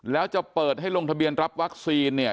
แล้วจะเปิดให้ลงทะเบียนรับวัคซีนเนี่ย